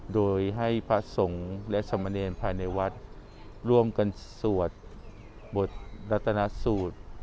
โดยให้พระสงฆ์และสมเนรภายในวัดร่วมกันสวดบทรัฐนสูตร